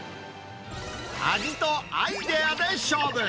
味とアイデアで勝負！